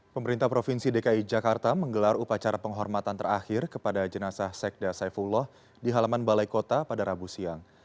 pemerintah provinsi dki jakarta menggelar upacara penghormatan terakhir kepada jenazah sekda saifullah di halaman balai kota pada rabu siang